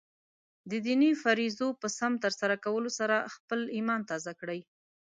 د دیني فریضو په سم ترسره کولو سره خپله ایمان تازه کړئ.